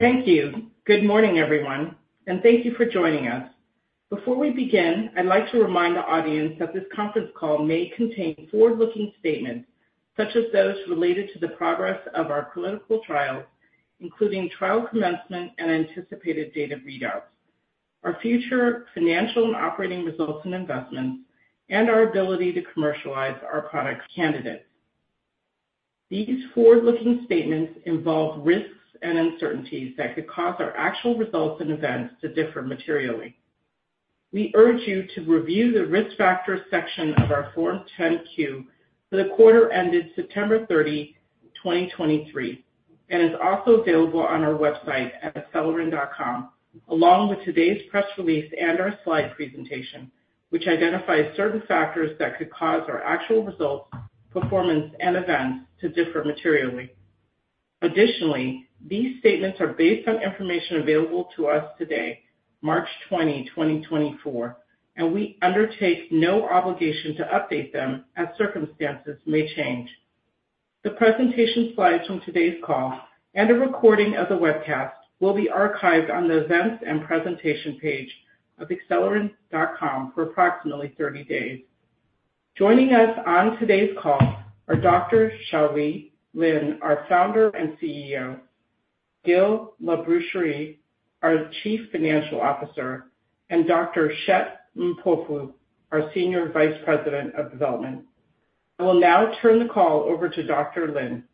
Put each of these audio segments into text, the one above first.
Thank you. Good morning, everyone, and thank you for joining us. Before we begin, I'd like to remind the audience that this conference call may contain forward-looking statements such as those related to the progress of our clinical trials, including trial commencement and anticipated data readouts, our future financial and operating results and investments, and our ability to commercialize our product candidates. These forward-looking statements involve risks and uncertainties that could cause our actual results and events to differ materially. We urge you to review the risk factors section of our Form 10-Q for the quarter ended September 30, 2023, and is also available on our website at acelyrin.com, along with today's press release and our slide presentation, which identifies certain factors that could cause our actual results, performance, and events to differ materially. Additionally, these statements are based on information available to us today, March 20, 2024, and we undertake no obligation to update them as circumstances may change. The presentation slides from today's call and a recording of the webcast will be archived on the events and presentation page of acelyrin.com for approximately 30 days. Joining us on today's call are Dr. Shao-Lee Lin, our founder and CEO; Gil Labrucherie, our Chief Financial Officer; and Dr. Shephard Mpofu, our Senior Vice President of Development. I will now turn the call over to Dr. Lin.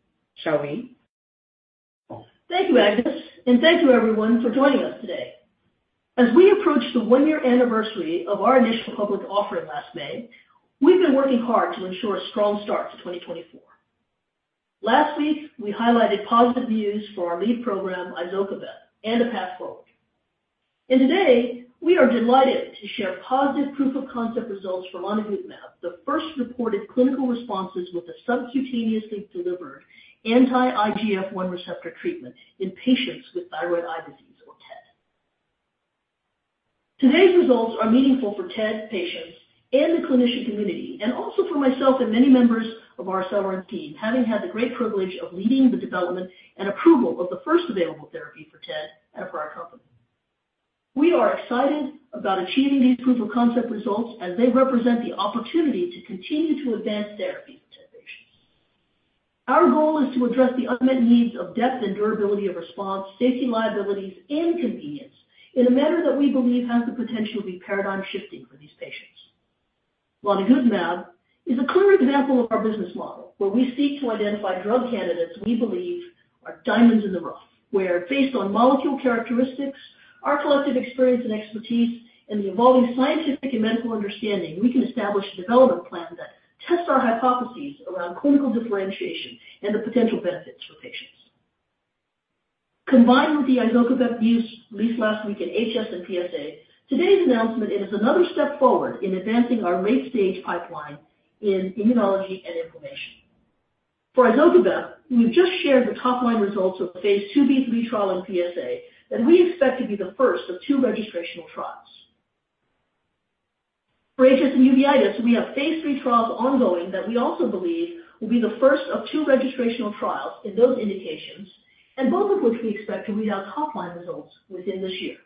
Shao-Lee? Thank you, Agnes, and thank you, everyone, for joining us today. As we approach the one-year anniversary of our initial public offering last May, we've been working hard to ensure a strong start to 2024. Last week, we highlighted positive news for our lead program, izokibep, and a path forward. And today, we are delighted to share positive proof-of-concept results for lonigutamab, the first reported clinical responses with a subcutaneously delivered anti-IGF-1 receptor treatment in patients with thyroid eye disease, or TED. Today's results are meaningful for TED patients and the clinician community, and also for myself and many members of our Acelyrin team, having had the great privilege of leading the development and approval of the first available therapy for TED at a prior company. We are excited about achieving these proof-of-concept results as they represent the opportunity to continue to advance therapies with TED patients. Our goal is to address the unmet needs of depth and durability of response, safety liabilities, and convenience in a manner that we believe has the potential to be paradigm-shifting for these patients. lonigutamab is a clear example of our business model, where we seek to identify drug candidates we believe are diamonds in the rough, where based on molecule characteristics, our collective experience and expertise, and the evolving scientific and medical understanding, we can establish a development plan that tests our hypotheses around clinical differentiation and the potential benefits for patients. Combined with the izokibep news released last week in HS and PsA, today's announcement is another step forward in advancing our late-stage pipeline in immunology and inflammation. For izokibep, we've just shared the top-line results of phase II-B/III trial in PsA that we expect to be the first of two registrational trials. For HS and uveitis, we have phase III trials ongoing that we also believe will be the first of two registrational trials in those indications, and both of which we expect to read out top-line results within this year.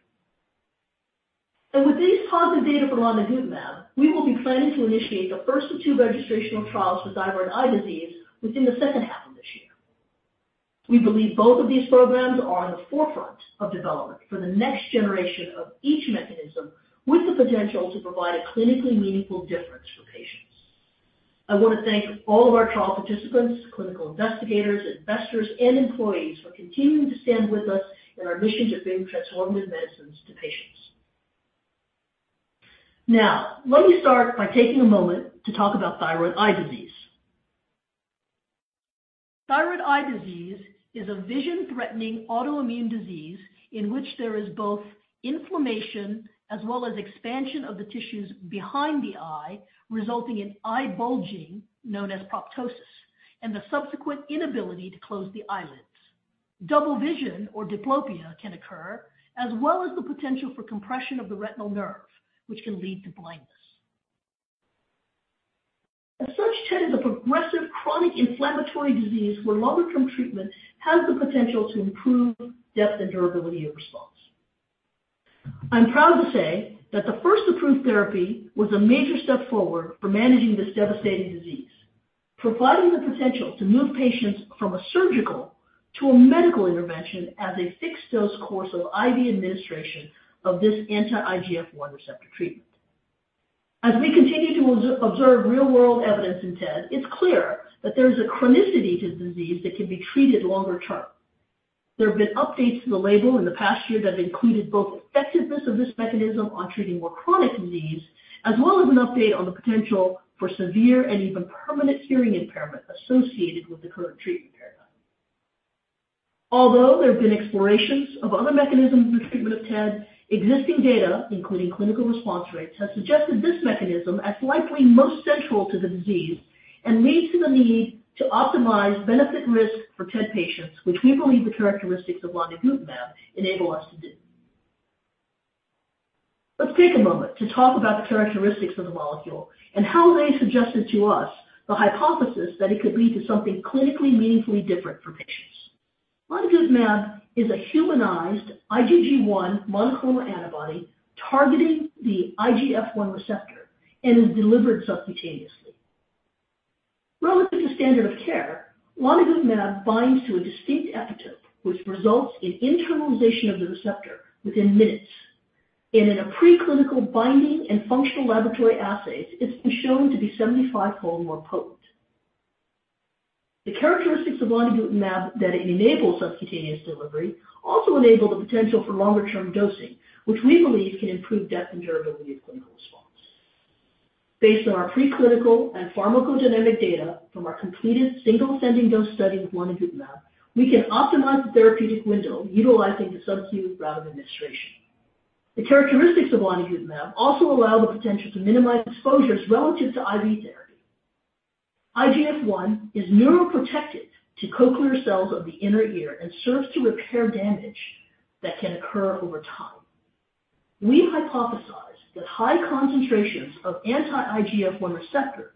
And with these positive data for lonigutamab, we will be planning to initiate the first of two registrational trials for thyroid eye disease within the second half of this year. We believe both of these programs are on the forefront of development for the next generation of each mechanism with the potential to provide a clinically meaningful difference for patients. I want to thank all of our trial participants, clinical investigators, investors, and employees for continuing to stand with us in our mission to bring transformative medicines to patients. Now, let me start by taking a moment to talk about thyroid eye disease. Thyroid eye disease is a vision-threatening autoimmune disease in which there is both inflammation as well as expansion of the tissues behind the eye, resulting in eye bulging known as proptosis and the subsequent inability to close the eyelids. Double vision, or diplopia, can occur, as well as the potential for compression of the retinal nerve, which can lead to blindness. As such, TED is a progressive chronic inflammatory disease where longer-term treatment has the potential to improve depth and durability of response. I'm proud to say that the first approved therapy was a major step forward for managing this devastating disease, providing the potential to move patients from a surgical to a medical intervention as a fixed-dose course of IV administration of this anti-IGF-1 receptor treatment. As we continue to observe real-world evidence in TED, it's clear that there is a chronicity to the disease that can be treated longer term. There have been updates to the label in the past year that have included both effectiveness of this mechanism on treating more chronic disease, as well as an update on the potential for severe and even permanent hearing impairment associated with the current treatment paradigm. Although there have been explorations of other mechanisms for treatment of TED, existing data, including clinical response rates, has suggested this mechanism as likely most central to the disease and leads to the need to optimize benefit-risk for TED patients, which we believe the characteristics of lonigutamab enable us to do. Let's take a moment to talk about the characteristics of the molecule and how they suggested to us the hypothesis that it could lead to something clinically meaningfully different for patients. Lonigutamab is a humanized IgG1 monoclonal antibody targeting the IGF-1 receptor and is delivered subcutaneously. Relative to standard of care, lonigutamab binds to a distinct epitope, which results in internalization of the receptor within minutes. In a preclinical binding and functional laboratory assays, it's been shown to be 75-fold more potent. The characteristics of lonigutamab that enable subcutaneous delivery also enable the potential for longer-term dosing, which we believe can improve depth and durability of clinical response. Based on our preclinical and pharmacodynamic data from our completed single-ascending dose study with lonigutamab, we can optimize the therapeutic window utilizing the Sub-Q route of administration. The characteristics of lonigutamab also allow the potential to minimize exposures relative to IV therapy. IGF-1 is neuroprotective to cochlear cells of the inner ear and serves to repair damage that can occur over time. We hypothesize that high concentrations of anti-IGF-1R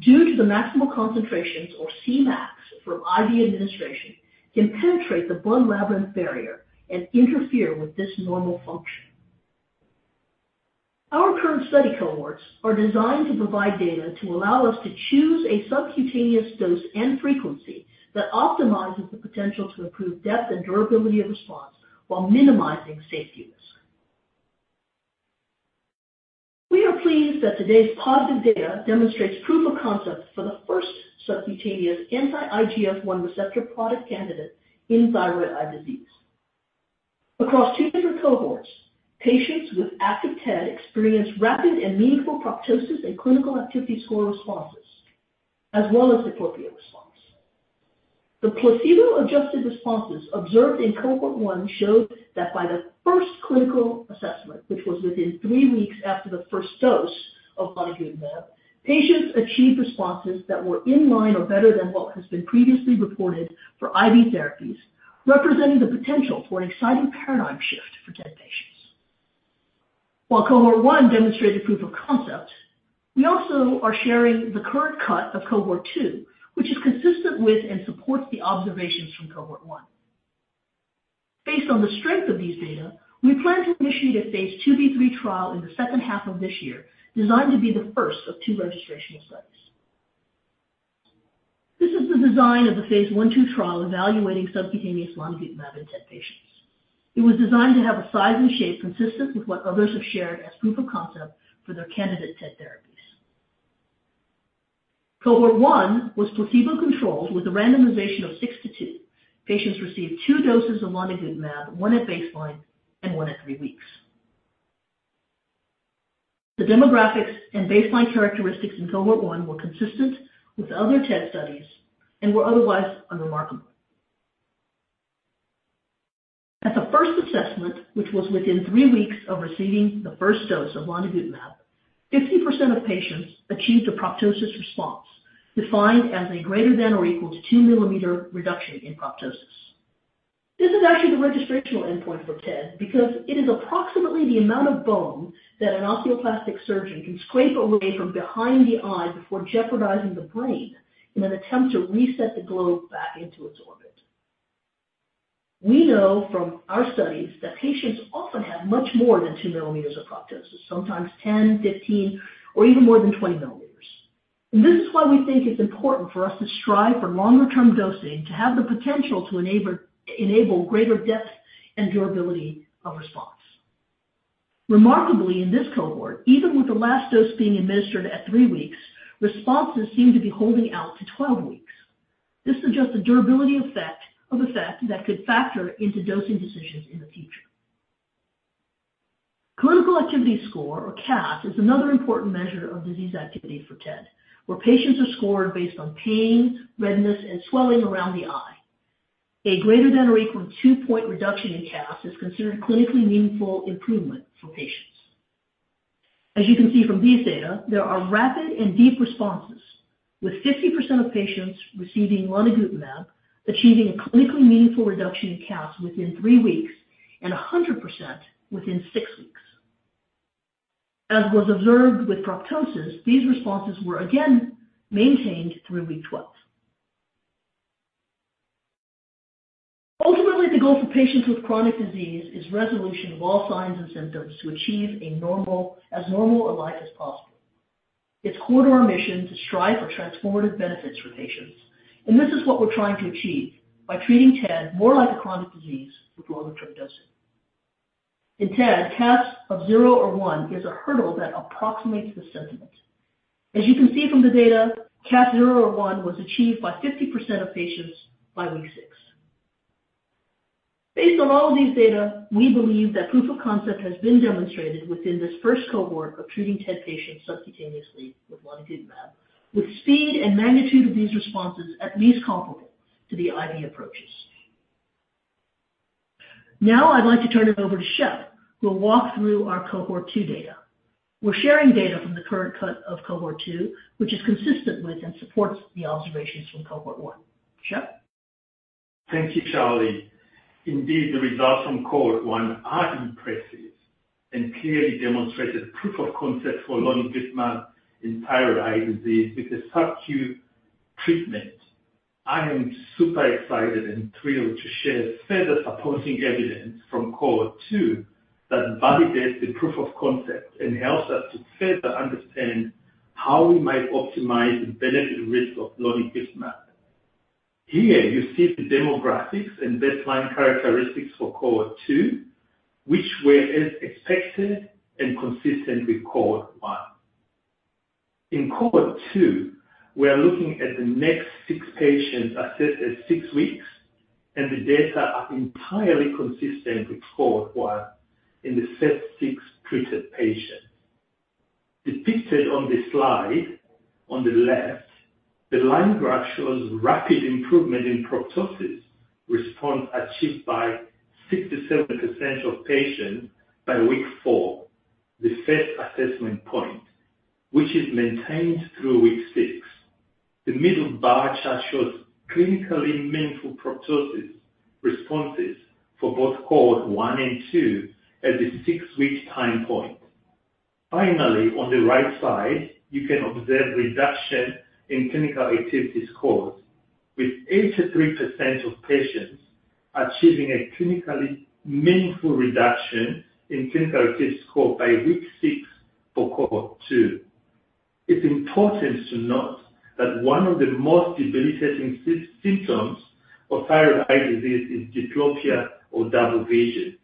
due to the maximal concentrations, or Cmax, from IV administration can penetrate the blood-labyrinth barrier and interfere with this normal function. Our current study cohorts are designed to provide data to allow us to choose a subcutaneous dose and frequency that optimizes the potential to improve depth and durability of response while minimizing safety risk. We are pleased that today's positive data demonstrates proof of concept for the first subcutaneous anti-IGF-1R product candidate in thyroid eye disease. Across two different cohorts, patients with active TED experienced rapid and meaningful proptosis and clinical activity score responses, as well as diplopia response. The placebo-adjusted responses observed in cohort 1 showed that by the first clinical assessment, which was within 3 weeks after the first dose of lonigutamab, patients achieved responses that were in line or better than what has been previously reported for IV therapies, representing the potential for an exciting paradigm shift for TED patients. While cohort 1 demonstrated proof of concept, we also are sharing the current cut of cohort 2, which is consistent with and supports the observations from cohort 1. Based on the strength of these data, we plan to initiate a phase II-B/III trial in the second half of this year, designed to be the first of 2 registrational studies. This is the design of the phase I-phase II trial evaluating subcutaneous lonigutamab in TED patients. It was designed to have a size and shape consistent with what others have shared as proof of concept for their candidate TED therapies. Cohort one was placebo-controlled with a randomization of 6 to 2. Patients received two doses of lonigutamab, one at baseline and one at three weeks. The demographics and baseline characteristics in cohort one were consistent with other TED studies and were otherwise unremarkable. At the first assessment, which was within three weeks of receiving the first dose of lonigutamab, 50% of patients achieved a proptosis response defined as a greater than or equal to 2 mm reduction in proptosis. This is actually the registrational endpoint for TED because it is approximately the amount of bone that an oculoplastic surgeon can scrape away from behind the eye before jeopardizing the brain in an attempt to reset the globe back into its orbit. We know from our studies that patients often have much more than 2 millimeters of proptosis, sometimes 10, 15, or even more than 20 millimeters. And this is why we think it's important for us to strive for longer-term dosing to have the potential to enable greater depth and durability of response. Remarkably, in this cohort, even with the last dose being administered at 3 weeks, responses seem to be holding out to 12 weeks. This suggests a durability effect that could factor into dosing decisions in the future. Clinical Activity Score, or CAS, is another important measure of disease activity for TED, where patients are scored based on pain, redness, and swelling around the eye. A greater than or equal to 2-point reduction in CAS is considered a clinically meaningful improvement for patients. As you can see from these data, there are rapid and deep responses, with 50% of patients receiving lonigutamab achieving a clinically meaningful reduction in CAS within 3 weeks and 100% within 6 weeks. As was observed with proptosis, these responses were again maintained through week 12. Ultimately, the goal for patients with chronic disease is resolution of all signs and symptoms to achieve a normal as normal a life as possible. It's core to our mission to strive for transformative benefits for patients. This is what we're trying to achieve by treating TED more like a chronic disease with longer-term dosing. In TED, CAS of 0 or 1 is a hurdle that approximates the sentiment. As you can see from the data, CAS 0 or 1 was achieved by 50% of patients by week 6. Based on all of these data, we believe that proof of concept has been demonstrated within this first cohort of treating TED patients subcutaneously with lonigutamab, with speed and magnitude of these responses at least comparable to the IV approaches. Now I'd like to turn it over to Shephard, who will walk through our cohort 2 data. We're sharing data from the current cut of cohort 2, which is consistent with and supports the observations from cohort 1. Shephard? Thank you, Shao-Lee. Indeed, the results from cohort 1 are impressive and clearly demonstrated proof of concept for lonigutamab in thyroid eye disease with a Sub-Q treatment. I am super excited and thrilled to share further supporting evidence from cohort 2 that validates the proof of concept and helps us to further understand how we might optimize the benefit-risk of lonigutamab. Here, you see the demographics and baseline characteristics for cohort two, which were as expected and consistent with cohort one. In cohort two, we are looking at the next six patients assessed at six weeks, and the data are entirely consistent with cohort one in the first six treated patients. Depicted on this slide on the left, the line graph shows rapid improvement in proptosis response achieved by 67% of patients by week four, the first assessment point, which is maintained through week six. The middle bar chart shows clinically meaningful proptosis responses for both cohort one and two at the six-week time point. Finally, on the right side, you can observe reduction in clinical activity scores, with 83% of patients achieving a clinically meaningful reduction in clinical activity score by week six for cohort two. It's important to note that one of the most debilitating symptoms of thyroid eye disease is diplopia or double vision.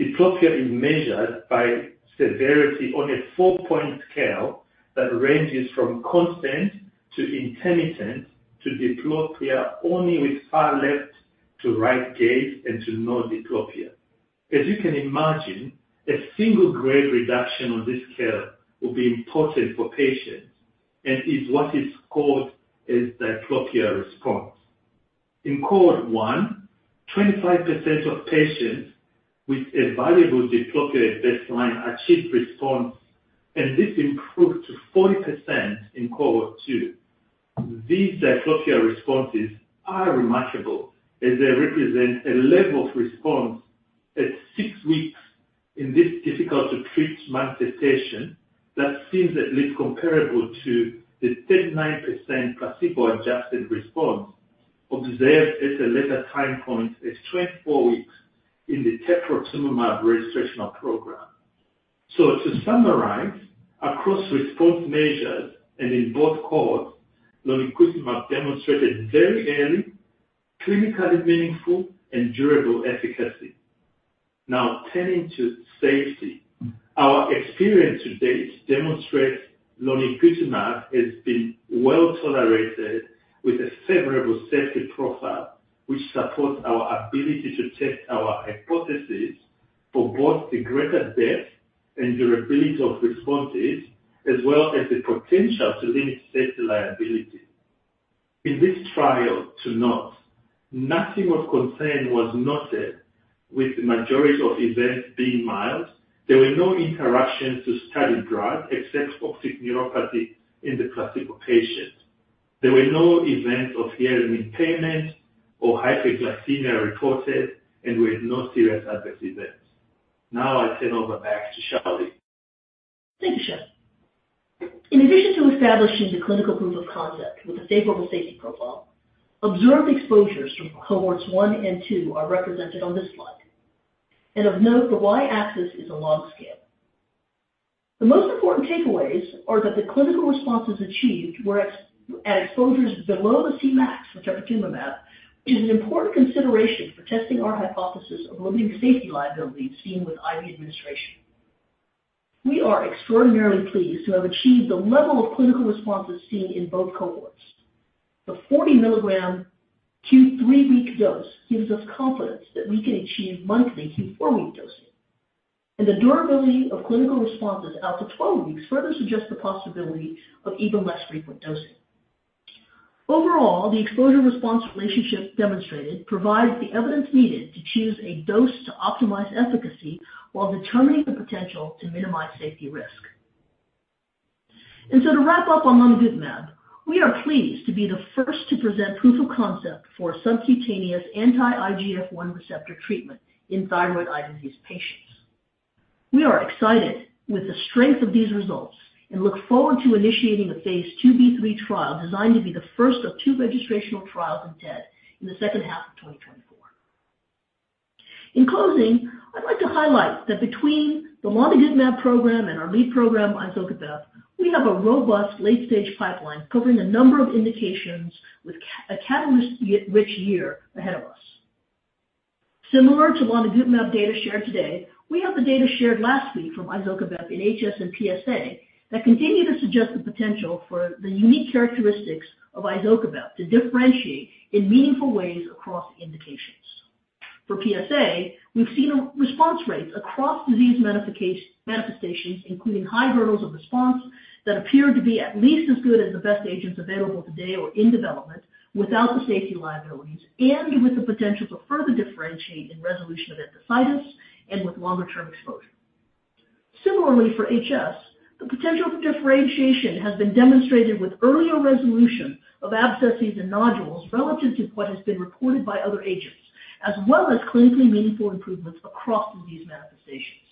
Diplopia is measured by severity on a 4-point scale that ranges from constant to intermittent to diplopia only with far left to right gaze and to no diplopia. As you can imagine, a single-grade reduction on this scale would be important for patients and is what is called a diplopia response. In cohort one, 25% of patients with a variable diplopia at baseline achieved response, and this improved to 40% in cohort two. These diplopia responses are remarkable as they represent a level of response at six weeks in this difficult-to-treat manifestation that seems at least comparable to the 39% placebo-adjusted response observed at a later time point at 24 weeks in the teprotumumab registration program. So to summarize, across response measures and in both cohorts, lonigutamab demonstrated very early clinically meaningful and durable efficacy. Now, turning to safety, our experience to date demonstrates lonigutamab has been well tolerated with a favorable safety profile, which supports our ability to test our hypothesis for both the greater depth and durability of responses, as well as the potential to limit safety liability. In this trial, to note, nothing of concern was noted, with the majority of events being mild. There were no interruptions to study drug except optic neuropathy in the placebo patient. There were no events of hearing impairment or hypoglycemia reported, and we had no serious adverse events. Now I turn over back to Shao-Lee. Thank you, Shephard. In addition to establishing the clinical proof of concept with a favorable safety profile, observed exposures from cohorts 1 and 2 are represented on this slide. And of note, the Y-axis is a log scale. The most important takeaways are that the clinical responses achieved were at exposures below the Cmax for teprotumumab, which is an important consideration for testing our hypothesis of limiting safety liability seen with IV administration. We are extraordinarily pleased to have achieved the level of clinical responses seen in both cohorts. The 40 mg q3-week dose gives us confidence that we can achieve monthly q4-week dosing. And the durability of clinical responses out to 12 weeks further suggests the possibility of even less frequent dosing. Overall, the exposure-response relationship demonstrated provides the evidence needed to choose a dose to optimize efficacy while determining the potential to minimize safety risk. And so to wrap up on lonigutamab, we are pleased to be the first to present proof of concept for subcutaneous anti-IGF-1 receptor treatment in thyroid eye disease patients. We are excited with the strength of these results and look forward to initiating a phase II-B/III trial designed to be the first of two registrational trials in TED in the second half of 2024. In closing, I'd like to highlight that between the lonigutamab program and our lead program, izokibep, we have a robust late-stage pipeline covering a number of indications with a catalyst-rich year ahead of us. Similar to lonigutamab data shared today, we have the data shared last week from izokibep in HS and PsA that continue to suggest the potential for the unique characteristics of izokibep to differentiate in meaningful ways across indications. For PsA, we've seen response rates across disease manifestations, including high hurdles of response that appear to be at least as good as the best agents available today or in development without the safety liabilities and with the potential to further differentiate in resolution of enthesitis and with longer-term exposure. Similarly, for HS, the potential for differentiation has been demonstrated with earlier resolution of abscesses and nodules relative to what has been reported by other agents, as well as clinically meaningful improvements across disease manifestations.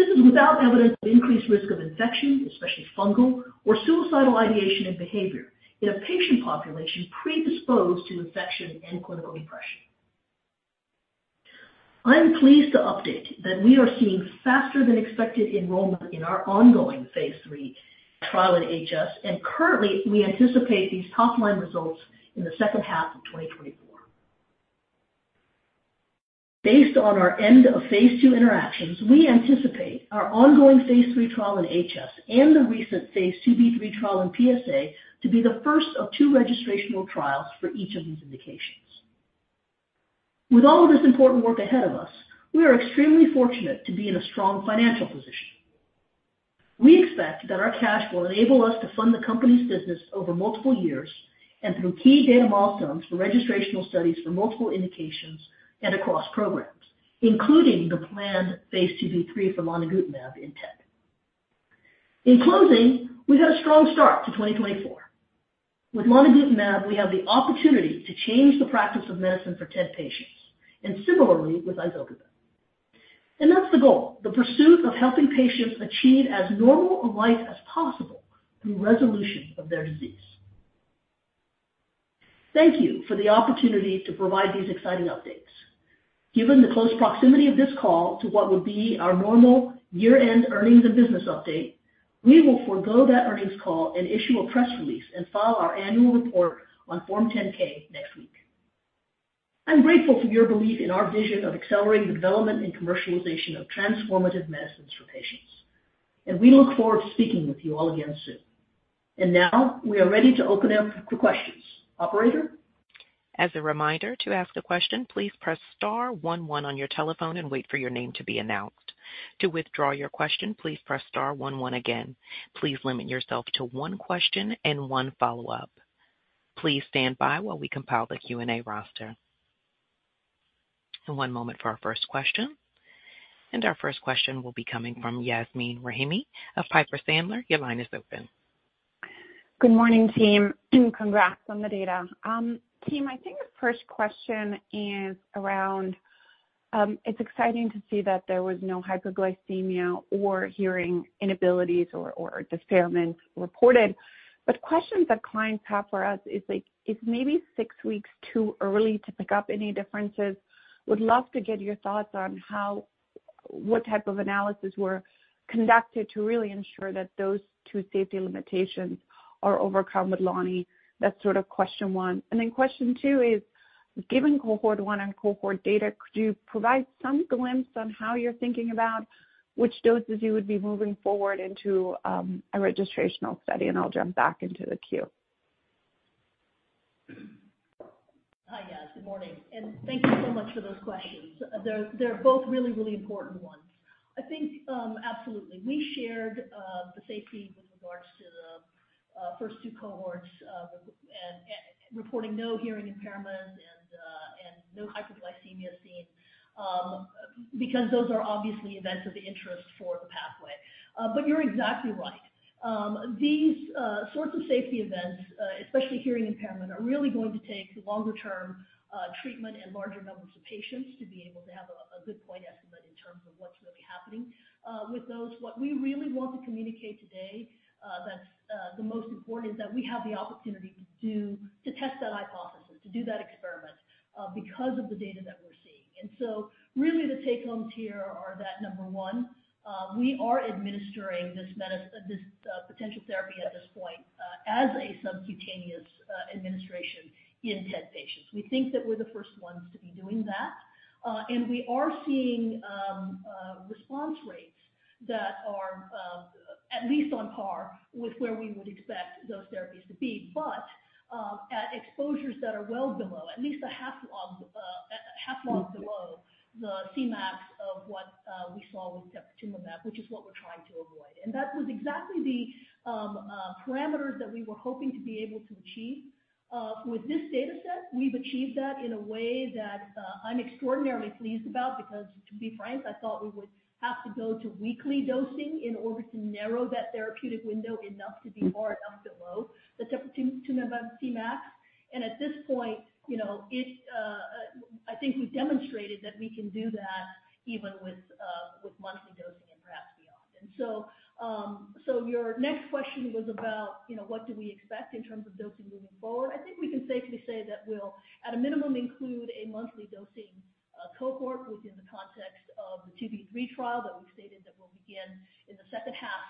This is without evidence of increased risk of infection, especially fungal, or suicidal ideation and behavior in a patient population predisposed to infection and clinical depression. I'm pleased to update that we are seeing faster-than-expected enrollment in our ongoing phase III trial in HS, and currently, we anticipate these top-line results in the second half of 2024. Based on our end-of-phase II interactions, we anticipate our ongoing phase III trial in HS and the recent phase II-B/III trial in PsA to be the first of two registrational trials for each of these indications. With all of this important work ahead of us, we are extremely fortunate to be in a strong financial position. We expect that our cash will enable us to fund the company's business over multiple years and through key data milestones for registrational studies for multiple indications and across programs, including the planned phase II-B/III for lonigutamab in TED. In closing, we've had a strong start to 2024. With lonigutamab, we have the opportunity to change the practice of medicine for TED patients and similarly with izokibep. That's the goal, the pursuit of helping patients achieve as normal a life as possible through resolution of their disease. Thank you for the opportunity to provide these exciting updates. Given the close proximity of this call to what would be our normal year-end earnings and business update, we will forego that earnings call and issue a press release and file our annual report on Form 10-K next week. I'm grateful for your belief in our vision of accelerating the development and commercialization of transformative medicines for patients. We look forward to speaking with you all again soon. Now we are ready to open up for questions. Operator? As a reminder, to ask a question, please press star one one on your telephone and wait for your name to be announced. To withdraw your question, please press star one one again. Please limit yourself to one question and one follow-up. Please stand by while we compile the Q&A roster. One moment for our first question. And our first question will be coming from Yasmeen Rahimi of Piper Sandler. Your line is open. Good morning, team. Congrats on the data. Team, I think the first question is around it's exciting to see that there was no hypoglycemia or hearing inabilities or impairments reported. But questions that clients have for us is maybe six weeks too early to pick up any differences. Would love to get your thoughts on what type of analysis were conducted to really ensure that those two safety limitations are overcome with Loni. That's sort of question one. And then question two is, given cohort one and cohort data, could you provide some glimpse on how you're thinking about which doses you would be moving forward into a registrational study? And I'll jump back into the queue. Hi, Yas. Good morning. And thank you so much for those questions. They're both really, really important ones. I think absolutely. We shared the safety with regards to the first two cohorts reporting no hearing impairments and no hypoglycemia seen because those are obviously events of interest for the pathway. But you're exactly right. These sorts of safety events, especially hearing impairment, are really going to take longer-term treatment and larger numbers of patients to be able to have a good point estimate in terms of what's really happening with those. What we really want to communicate today, that's the most important, is that we have the opportunity to test that hypothesis, to do that experiment because of the data that we're seeing. And so really, the take-homes here are that number one, we are administering this potential therapy at this point as a subcutaneous administration in TED patients. We think that we're the first ones to be doing that. We are seeing response rates that are at least on par with where we would expect those therapies to be, but at exposures that are well below, at least a half log below the Cmaxes of what we saw with teprotumumab, which is what we're trying to avoid. And that was exactly the parameters that we were hoping to be able to achieve. With this dataset, we've achieved that in a way that I'm extraordinarily pleased about because, to be frank, I thought we would have to go to weekly dosing in order to narrow that therapeutic window enough to be far enough below the teprotumumab Cmaxes. And at this point, I think we've demonstrated that we can do that even with monthly dosing and perhaps beyond. And so your next question was about what do we expect in terms of dosing moving forward? I think we can safely say that we'll, at a minimum, include a monthly dosing cohort within the context of the 2B/3 trial that we've stated that will begin in the second half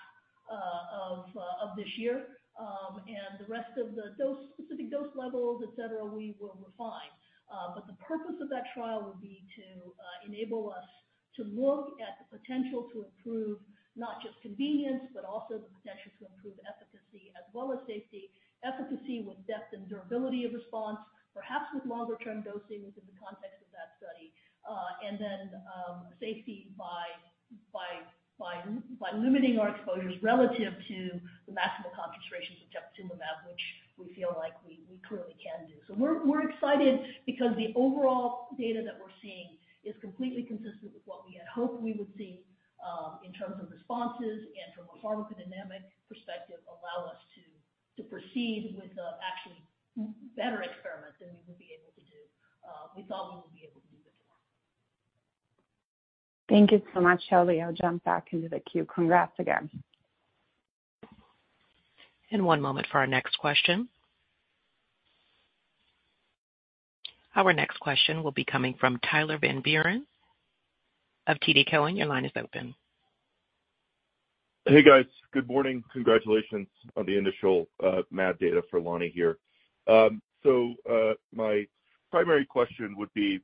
of this year. And the rest of the specific dose levels, etc., we will refine. But the purpose of that trial would be to enable us to look at the potential to improve not just convenience, but also the potential to improve efficacy as well as safety, efficacy with depth and durability of response, perhaps with longer-term dosing within the context of that study, and then safety by limiting our exposures relative to the maximum concentrations of teprotumumab, which we feel like we clearly can do. So we're excited because the overall data that we're seeing is completely consistent with what we had hoped we would see in terms of responses and from a pharmacodynamic perspective, allow us to proceed with actually better experiments than we would be able to do we thought we would be able to do before. Thank you so much, Shao-Lee. I'll jump back into the queue. Congrats again. And one moment for our next question. Our next question will be coming from Tyler Van Buren of TD Cowen. Your line is open. Hey, guys. Good morning. Congratulations on the initial MAD data for Loni here. So my primary question would be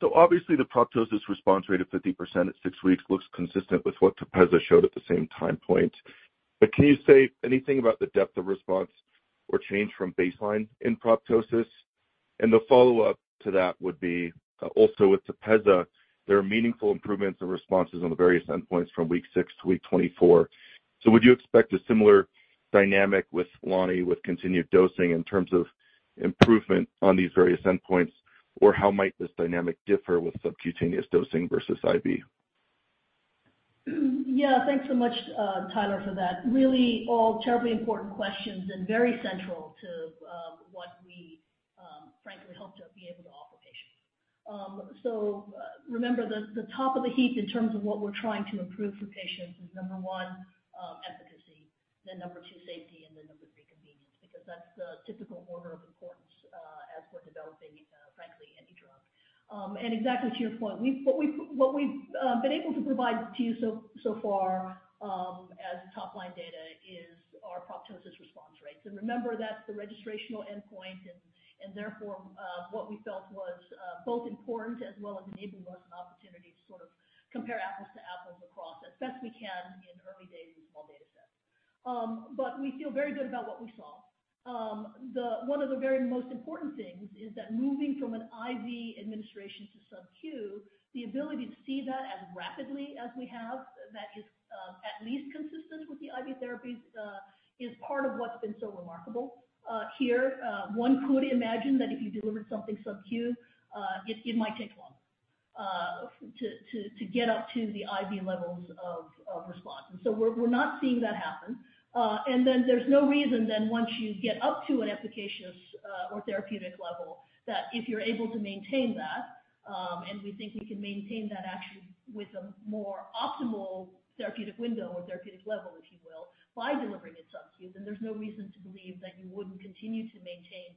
so obviously, the proptosis response rate of 50% at six weeks looks consistent with what Tepezza showed at the same time point. But can you say anything about the depth of response or change from baseline in proptosis? The follow-up to that would be also with Tepezza, there are meaningful improvements in responses on the various endpoints from week 6 to week 24. So would you expect a similar dynamic with Loni with continued dosing in terms of improvement on these various endpoints, or how might this dynamic differ with subcutaneous dosing versus IV? Yeah. Thanks so much, Tyler, for that. Really all terribly important questions and very central to what we, frankly, hope to be able to offer patients. So remember, the top of the heap in terms of what we're trying to improve for patients is, number 1, efficacy, then number 2, safety, and then number 3, convenience because that's the typical order of importance as we're developing, frankly, any drug. And exactly to your point, what we've been able to provide to you so far as top-line data is our proptosis response rates. Remember, that's the registrational endpoint. Therefore, what we felt was both important as well as enabling us an opportunity to sort of compare apples to apples across as best we can in early days in small datasets. We feel very good about what we saw. One of the very most important things is that moving from an IV administration to sub-Q, the ability to see that as rapidly as we have that is at least consistent with the IV therapies is part of what's been so remarkable here. One could imagine that if you delivered something sub-Q, it might take longer to get up to the IV levels of response. So we're not seeing that happen. And then there's no reason then once you get up to an applicationist or therapeutic level that if you're able to maintain that and we think we can maintain that actually with a more optimal therapeutic window or therapeutic level, if you will, by delivering it sub-Q, then there's no reason to believe that you wouldn't continue to maintain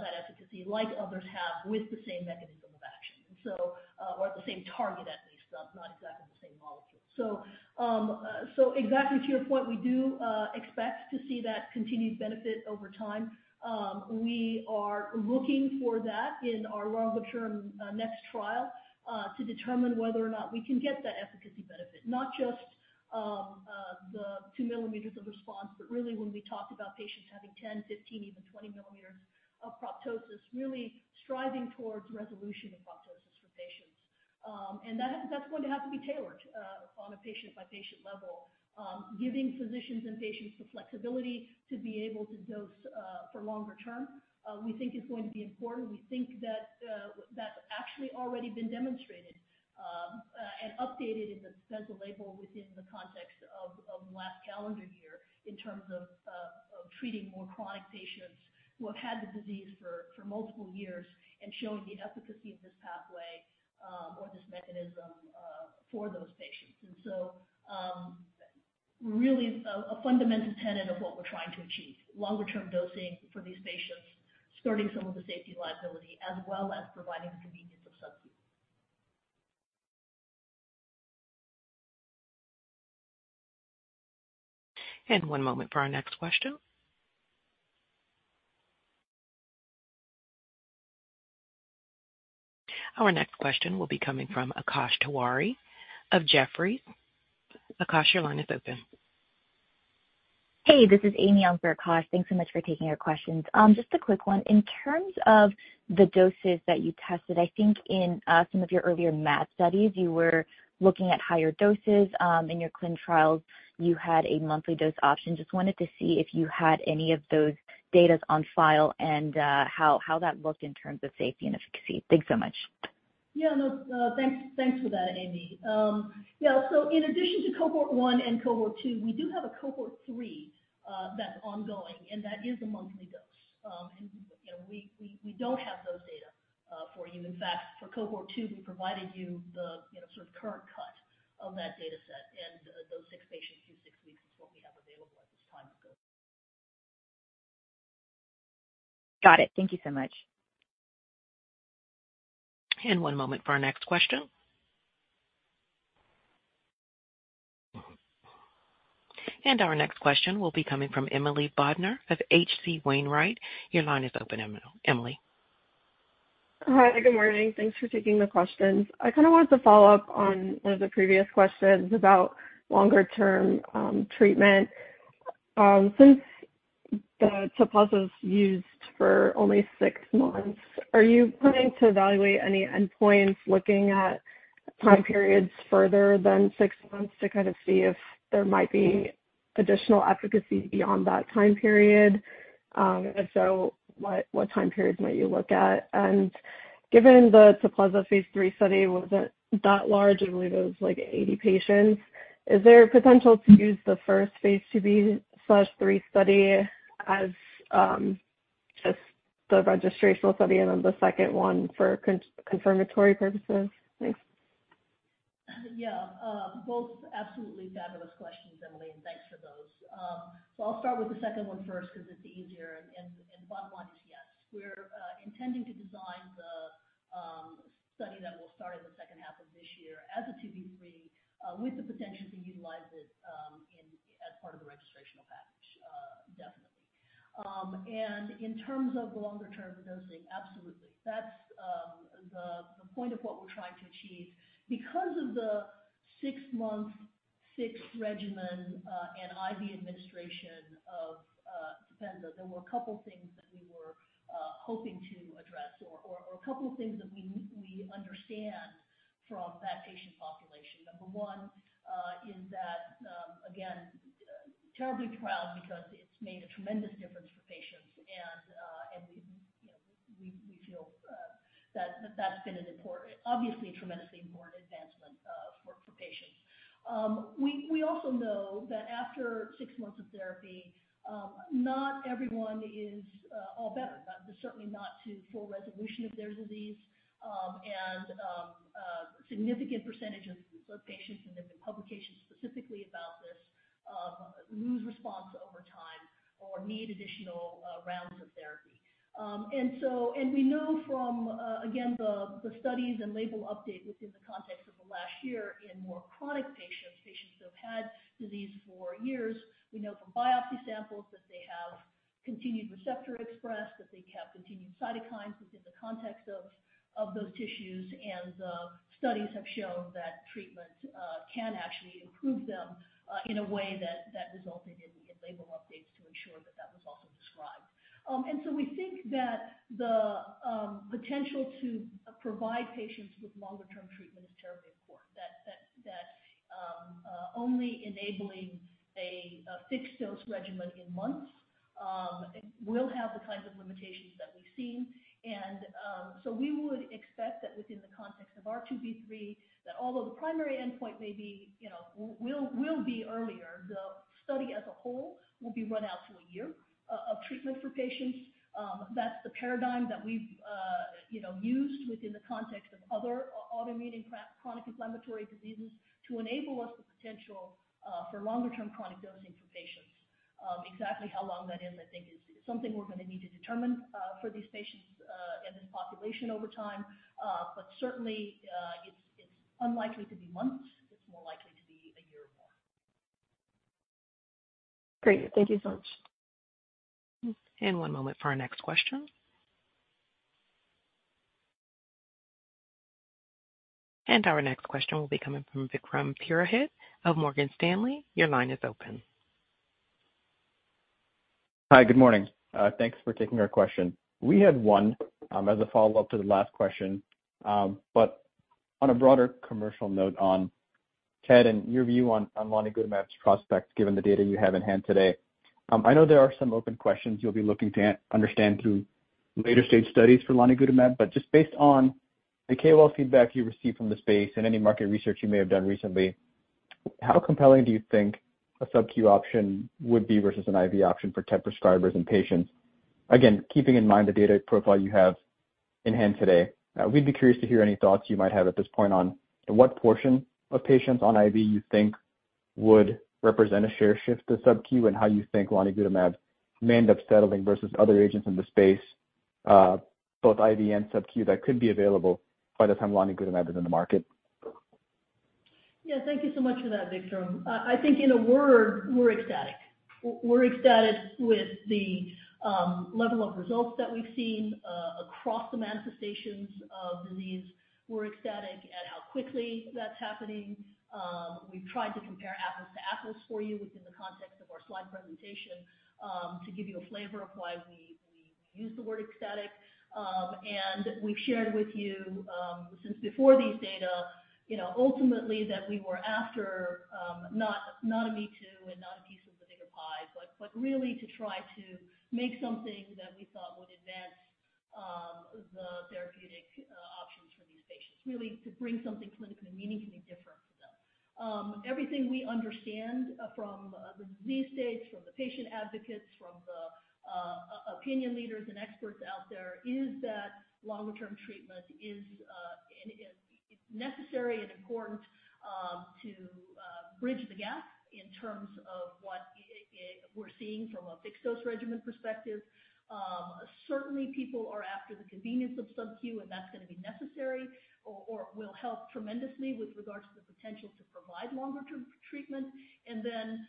that efficacy like others have with the same mechanism of action or at the same target, at least, not exactly the same molecule. So exactly to your point, we do expect to see that continued benefit over time. We are looking for that in our longer-term next trial to determine whether or not we can get that efficacy benefit, not just the 2 millimeters of response, but really when we talked about patients having 10, 15, even 20 millimeters of proptosis, really striving towards resolution of proptosis for patients. That's going to have to be tailored on a patient-by-patient level. Giving physicians and patients the flexibility to be able to dose for longer term we think is going to be important. We think that that's actually already been demonstrated and updated in the Tepezza label within the context of last calendar year in terms of treating more chronic patients who have had the disease for multiple years and showing the efficacy of this pathway or this mechanism for those patients. And so really a fundamental tenet of what we're trying to achieve, longer-term dosing for these patients, skirting some of the safety liability as well as providing the convenience of sub-Q. And one moment for our next question. Our next question will be coming from Akash Tewari of Jefferies. Akash, your line is open. Hey, this is Amy on for Akash. Thanks so much for taking our questions. Just a quick one. In terms of the doses that you tested, I think in some of your earlier MAD studies, you were looking at higher doses. In your clinical trials, you had a monthly dose option. Just wanted to see if you had any of those data on file and how that looked in terms of safety and efficacy. Thanks so much. Yeah. No, thanks for that, Amy. Yeah. So in addition to cohort 1 and cohort 2, we do have a cohort 3 that's ongoing, and that is a monthly dose. And we don't have those data for you. In fact, for cohort 2, we provided you the sort of current cut of that dataset. And those 6 patients do 6 weeks is what we have available at this time of cut-off. Got it. Thank you so much. And one moment for our next question. And our next question will be coming from Emily Bodnar of H.C. Wainwright. Your line is open, Emily. Hi. Good morning. Thanks for taking the questions. I kind of wanted to follow up on one of the previous questions about longer-term treatment. Since the Tepezza's used for only six months, are you planning to evaluate any endpoints looking at time periods further than six months to kind of see if there might be additional efficacy beyond that time period? If so, what time periods might you look at? And given the Tepezza phase III study wasn't that large, I believe it was like 80 patients, is there potential to use the first phase II-B/III study as just the registrational study and then the second one for confirmatory purposes? Thanks. Yeah. Both absolutely fabulous questions, Emily, and thanks for those. So I'll start with the second one first because it's easier. The bottom line is yes. We're intending to design the study that will start in the second half of this year as a 2B3 with the potential to utilize it as part of the registrational package, definitely. In terms of the longer-term dosing, absolutely. That's the point of what we're trying to achieve. Because of the 6-month fixed regimen and IV administration of Tepezza, there were a couple of things that we were hoping to address or a couple of things that we understand from that patient population. Number one is that, again, terribly proud because it's made a tremendous difference for patients, and we feel that that's been an important, obviously, a tremendously important advancement for patients. We also know that after six months of therapy, not everyone is all better, certainly not to full resolution of their disease. And a significant percentage of patients lose response over time or need additional rounds of therapy. There have been publications specifically about this. And we know from, again, the studies and label updates within the context of the last year in more chronic patients, patients that have had disease for years, we know from biopsy samples that they have continued receptor expression, that they have continued cytokines within the context of those tissues. And the studies have shown that treatment can actually improve them in a way that resulted in label updates to ensure that that was also described. And so we think that the potential to provide patients with longer-term treatment is terribly important, that only enabling a fixed-dose regimen in months will have the kinds of limitations that we've seen. And so we would expect that within the context of our 2B3, that although the primary endpoint may be will be earlier, the study as a whole will be run out to a year of treatment for patients. That's the paradigm that we've used within the context of other autoimmune and chronic inflammatory diseases to enable us the potential for longer-term chronic dosing for patients. Exactly how long that is, I think, is something we're going to need to determine for these patients and this population over time. But certainly, it's unlikely to be months. It's more likely to be a year or more. Great. Thank you so much. And one moment for our next question. And our next question will be coming from Vikram Purohit of Morgan Stanley. Your line is open. Hi. Good morning. Thanks for taking our question. We had one as a follow-up to the last question. But on a broader commercial note on TED and your view on lonigutamab's prospects given the data you have in hand today, I know there are some open questions you'll be looking to understand through later-stage studies for lonigutamab. But just based on the KOL feedback you received from the space and any market research you may have done recently, how compelling do you think a sub-Q option would be versus an IV option for TED prescribers and patients? Again, keeping in mind the data profile you have in hand today, we'd be curious to hear any thoughts you might have at this point on what portion of patients on IV you think would represent a share shift to sub-Q and how you think lonigutamab may end up settling versus other agents in the space, both IV and sub-Q, that could be available by the time lonigutamab is in the market? Yeah. Thank you so much for that, Vikram. I think in a word, we're ecstatic. We're ecstatic with the level of results that we've seen across the manifestations of disease. We're ecstatic at how quickly that's happening. We've tried to compare apples to apples for you within the context of our slide presentation to give you a flavor of why we use the word ecstatic. And we've shared with you since before these data, ultimately, that we were after not a me too and not a piece of the bigger pie, but really to try to make something that we thought would advance the therapeutic options for these patients, really to bring something clinically meaningfully different for them. Everything we understand from the disease states, from the patient advocates, from the opinion leaders and experts out there is that longer-term treatment is necessary and important to bridge the gap in terms of what we're seeing from a fixed-dose regimen perspective. Certainly, people are after the convenience of sub-Q, and that's going to be necessary or will help tremendously with regards to the potential to provide longer-term treatment. And then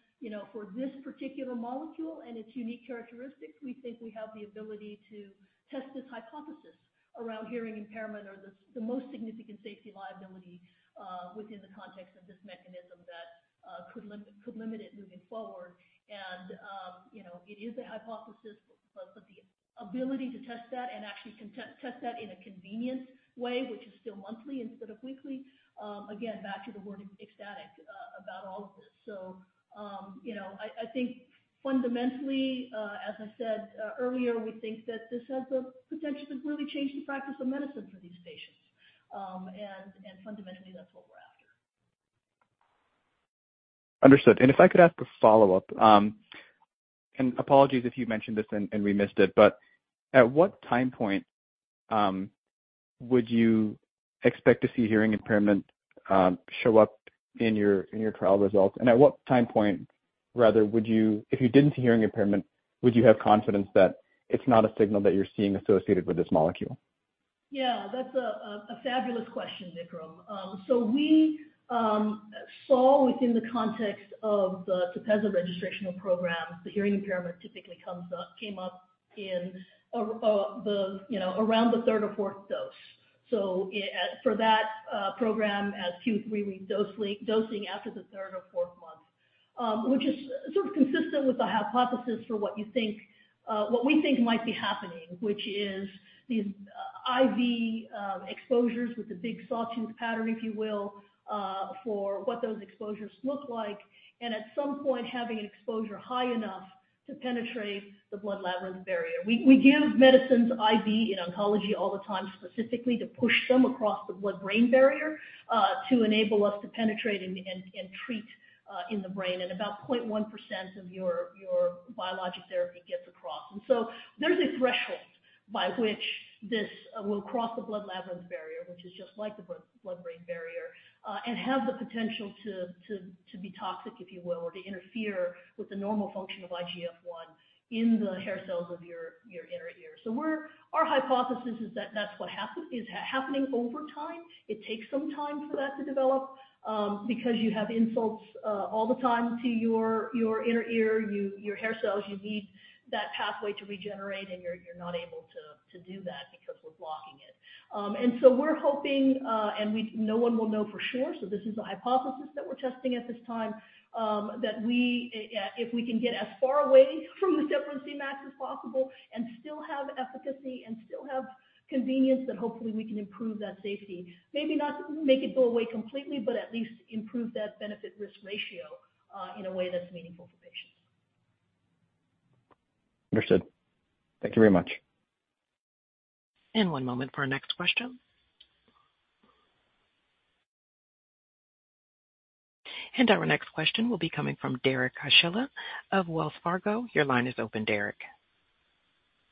for this particular molecule and its unique characteristics, we think we have the ability to test this hypothesis around hearing impairment or the most significant safety liability within the context of this mechanism that could limit it moving forward. And it is a hypothesis, but the ability to test that and actually test that in a convenient way, which is still monthly instead of weekly, again, back to the word ecstatic about all of this. So I think fundamentally, as I said earlier, we think that this has the potential to really change the practice of medicine for these patients. And fundamentally, that's what we're after. Understood. And if I could ask a follow-up and apologies if you mentioned this and we missed it, but at what time point would you expect to see hearing impairment show up in your trial results? At what time point, rather, would you if you didn't see hearing impairment, would you have confidence that it's not a signal that you're seeing associated with this molecule? Yeah. That's a fabulous question, Vikram. So we saw within the context of the Tepezza registrational program, the hearing impairment typically came up around the third or fourth dose. So for that program as every 3-week dosing after the third or fourth month, which is sort of consistent with the hypothesis for what we think might be happening, which is these IV exposures with the big sawtooth pattern, if you will, for what those exposures look like and at some point having an exposure high enough to penetrate the blood-labyrinth barrier. We give medicines IV in oncology all the time specifically to push them across the blood-brain barrier to enable us to penetrate and treat in the brain. About 0.1% of your biologic therapy gets across. So there's a threshold by which this will cross the blood labyrinth barrier, which is just like the blood-brain barrier, and have the potential to be toxic, if you will, or to interfere with the normal function of IGF-1 in the hair cells of your inner ear. Our hypothesis is that that's what happens. It's happening over time. It takes some time for that to develop because you have insults all the time to your inner ear, your hair cells. You need that pathway to regenerate, and you're not able to do that because we're blocking it. So we're hoping and no one will know for sure. So this is a hypothesis that we're testing at this time that if we can get as far away from the Cmax as possible and still have efficacy and still have convenience, that hopefully we can improve that safety, maybe not make it go away completely, but at least improve that benefit-risk ratio in a way that's meaningful for patients. Understood. Thank you very much. One moment for our next question. Our next question will be coming from Derek Archila of Wells Fargo. Your line is open, Derek.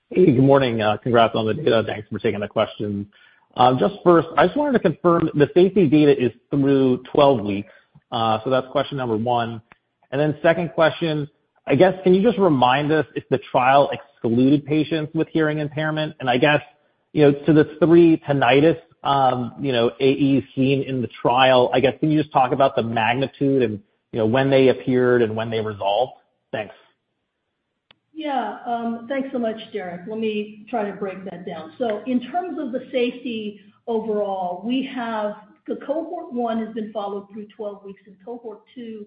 Hey. Good morning. Congrats on the data. Thanks for taking the question. Just first, I just wanted to confirm the safety data is through 12 weeks. So that's question number one. And then second question, I guess, can you just remind us if the trial excluded patients with hearing impairment? I guess to the three tinnitus AEs seen in the trial, I guess, can you just talk about the magnitude and when they appeared and when they resolved? Thanks. Yeah. Thanks so much, Derek. Let me try to break that down. In terms of the safety overall, the cohort one has been followed through 12 weeks and cohort two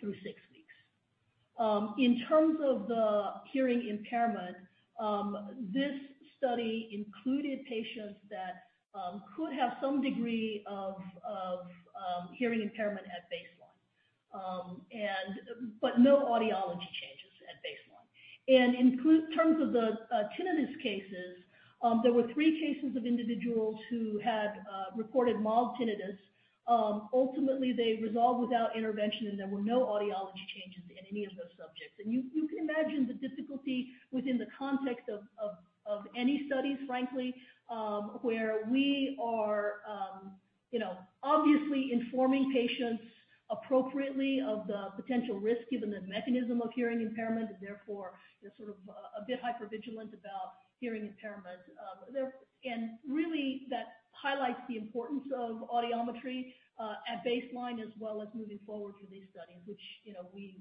through six weeks. In terms of the hearing impairment, this study included patients that could have some degree of hearing impairment at baseline, but no audiology changes at baseline. In terms of the tinnitus cases, there were three cases of individuals who had reported mild tinnitus. Ultimately, they resolved without intervention, and there were no audiology changes in any of those subjects. You can imagine the difficulty within the context of any studies, frankly, where we are obviously informing patients appropriately of the potential risk given the mechanism of hearing impairment and therefore sort of a bit hypervigilant about hearing impairment. Really, that highlights the importance of audiometry at baseline as well as moving forward for these studies, which we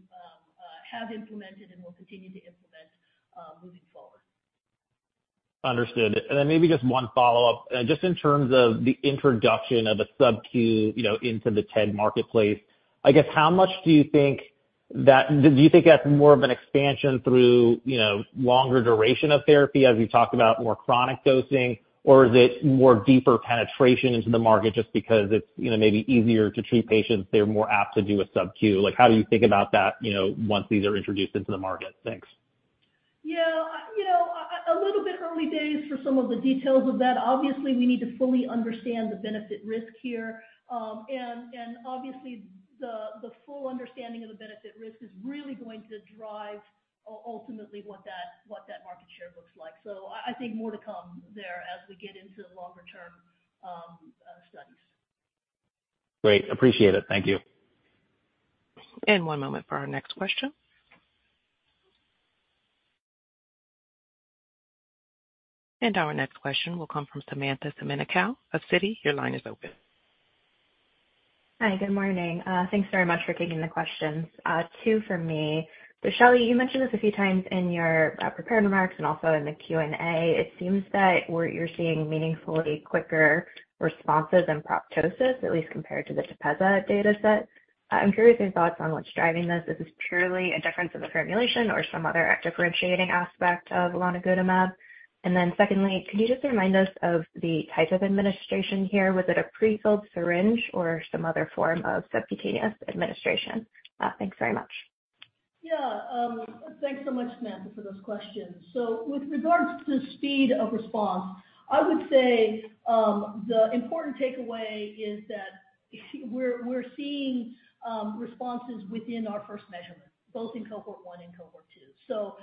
have implemented and will continue to implement moving forward. Understood. Then maybe just one follow-up. Just in terms of the introduction of a sub-Q into the TED marketplace, I guess, how much do you think that do you think that's more of an expansion through longer duration of therapy as you talked about more chronic dosing, or is it more deeper penetration into the market just because it's maybe easier to treat patients? They're more apt to do a sub-Q. How do you think about that once these are introduced into the market? Thanks. Yeah. A little bit early days for some of the details of that. Obviously, we need to fully understand the benefit-risk here. And obviously, the full understanding of the benefit-risk is really going to drive ultimately what that market share looks like. So I think more to come there as we get into longer-term studies. Great. Appreciate it. Thank you. And one moment for our next question. And our next question will come from Samantha Semenkow of Citi. Your line is open. Hi. Good morning. Thanks very much for taking the questions. Two for me. So Shao-Lee, you mentioned this a few times in your prepared remarks and also in the Q&A. It seems that you're seeing meaningfully quicker responses in proptosis, at least compared to the Tepezza dataset. I'm curious your thoughts on what's driving this. Is this purely a difference in the formulation or some other differentiating aspect of lonigutamab? And then secondly, can you just remind us of the type of administration here? Was it a prefilled syringe or some other form of subcutaneous administration? Thanks very much. Yeah. Thanks so much, Samantha, for those questions. So with regards to speed of response, I would say the important takeaway is that we're seeing responses within our first measurement, both in cohort one and cohort two. So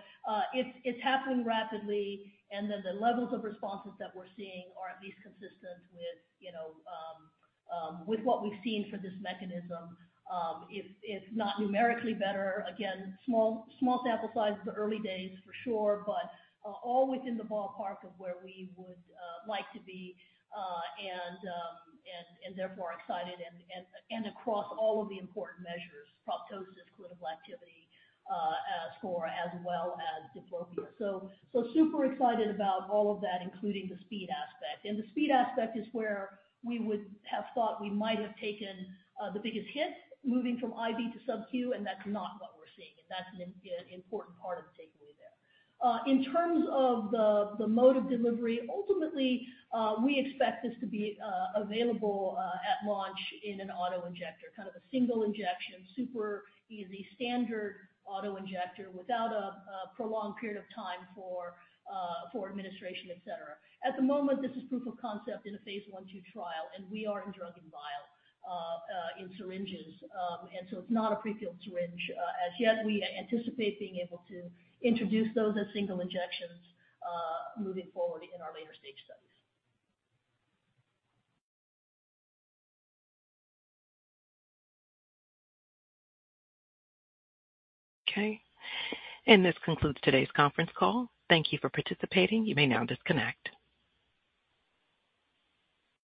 it's happening rapidly, and then the levels of responses that we're seeing are at least consistent with what we've seen for this mechanism. If not numerically better, again, small sample size in the early days for sure, but all within the ballpark of where we would like to be and therefore are excited and across all of the important measures, proptosis, clinical activity score, as well as diplopia. So super excited about all of that, including the speed aspect. The speed aspect is where we would have thought we might have taken the biggest hit moving from IV to sub-Q, and that's not what we're seeing. That's an important part of the takeaway there. In terms of the mode of delivery, ultimately, we expect this to be available at launch in an autoinjector, kind of a single injection, super easy standard autoinjector without a prolonged period of time for administration, etc. At the moment, this is proof of concept in a phase I/II trial, and we are in drug and vial in syringes. And so it's not a prefilled syringe as yet. We anticipate being able to introduce those as single injections moving forward in our later-stage studies. Okay. And this concludes today's conference call. Thank you for participating. You may now disconnect.